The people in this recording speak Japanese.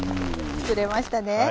釣れましたね。